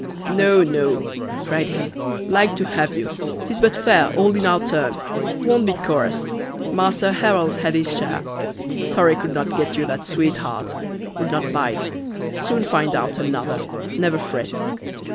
"No, no," cried he, "like to have you, 'tis but fair, all in our turn; won't be chorused; Master Harrel's had his share. Sorry could not get you that sweetheart! would not bite; soon find out another; never fret."